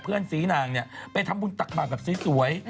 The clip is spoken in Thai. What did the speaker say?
เพื่อนสีนางเนี่ยไปทำบุญตักบาทแบบสวย